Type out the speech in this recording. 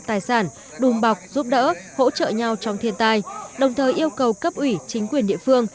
tài sản đùm bọc giúp đỡ hỗ trợ nhau trong thiên tai đồng thời yêu cầu cấp ủy chính quyền địa phương